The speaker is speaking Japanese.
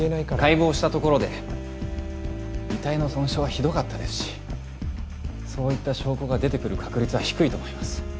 解剖したところで遺体の損傷はひどかったですしそういった証拠が出てくる確率は低いと思います。